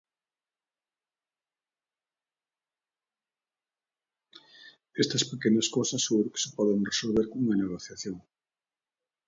Estas pequenas cousas seguro que se poden resolver cunha negociación.